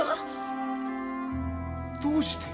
どうして？